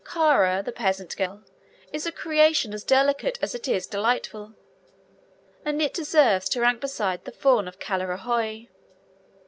Cara, the peasant girl, is a creation as delicate as it is delightful, and it deserves to rank beside the Faun of Callirhoe.